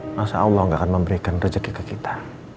masa allah gak akan memberikan rejeki ke kita